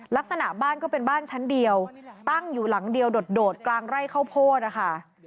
ลักษณะบ้านก็เป็นบ้านชั้นเดียวตั้งอยู่หลังเดียวโดดกลางไร่ข้าวโพดนะคะ